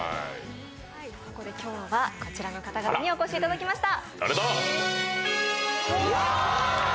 そこで今日はこちらの方々にお越しいただきました。